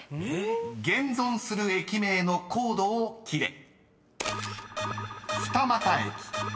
［現存する駅名のコードを切れ］